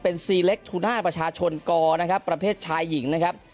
เป็นซีเล็กทูน่าประชาชนกนะครับประเภทชายหญิงนะครับ